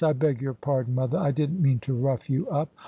"I beg your pardon, mother: I didn't mean to rough you up.